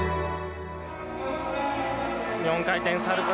４回転サルコー。